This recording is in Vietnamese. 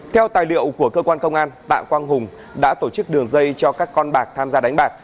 theo tài liệu của cơ quan công an tạ quang hùng đã tổ chức đường dây cho các con bạc tham gia đánh bạc